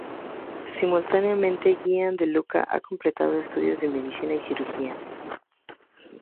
Simultáneamente, Gianluca ha completado estudios de medicina y cirugía.